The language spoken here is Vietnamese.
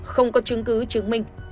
không có chứng cứ chứng minh